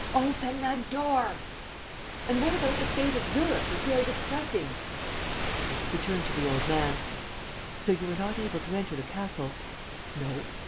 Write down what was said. "Open the door!" "And what about the fate of Europe, which we are discussing?" He turned to the old man: "So you were not able to enter the castle?" "No."